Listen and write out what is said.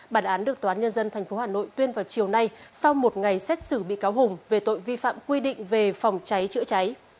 bản án được toán nhân dân tp hà nội tuyên vào chiều nay sau một ngày xét xử bị cáo hùng về tội vi phạm quy định về phòng cháy chữa cháy